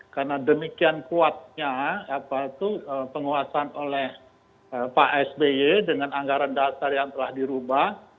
karena demikian kuatnya penguasaan oleh pak sby dengan anggaran dasar yang telah dirubah